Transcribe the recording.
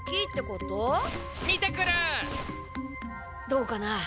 どうかな？